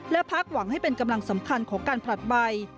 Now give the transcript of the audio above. และพักหวังให้เป็นกำลังสำคัญของการผลัดใบ